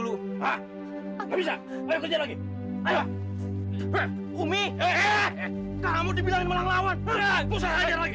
kusar kerja lagi